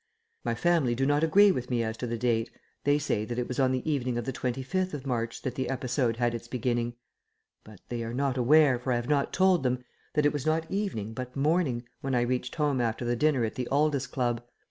My family do not agree with me as to the date. They say that it was on the evening of the 25th of March that the episode had its beginning; but they are not aware, for I have not told them, that it was not evening, but morning, when I reached home after the dinner at the Aldus Club.